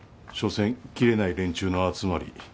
所詮切れない連中の集まり。